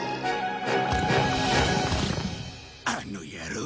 あの野郎！